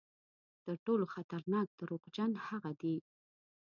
تر ټولو خطرناک دروغجن هغه دي.